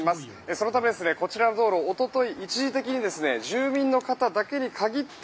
そのため、こちらの道路おととい、一時的に住民の方だけに限って